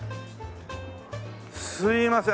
すいません